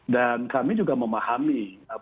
dan kami juga memahami